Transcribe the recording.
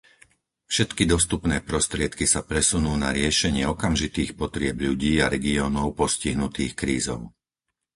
Všetky dostupné prostriedky sa presunú na riešenie okamžitých potrieb ľudí a regiónov postihnutých krízou.